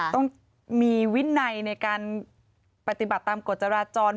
ต้องมีวินัยในการปฏิบัติตามกฎจราจร